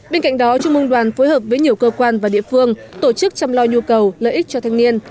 bên cạnh đó trung mương đoàn phối hợp với nhiều cơ quan và địa phương tổ chức chăm lo nhu cầu lợi ích cho thanh niên